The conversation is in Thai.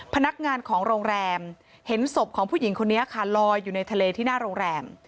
พนักงานของโรงแรมเห็นศพของผู้หญิงคนนี้ค่ะลอยอยู่ในทะเลที่หน้าโรงแรม